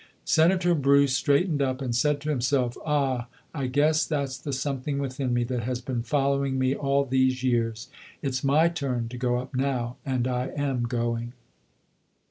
Senator Bruce straightened up and said to him self, "Ah! I guess that's the something within me that has been following me all these years. It's my turn to go up now, and I am going".